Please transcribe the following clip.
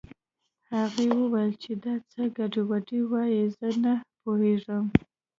هغې وويل چې دا څه ګډې وډې وايې زه نه پوهېږم